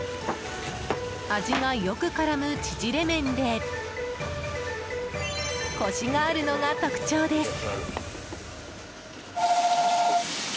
味がよく絡む縮れ麺でコシがあるのが特徴です。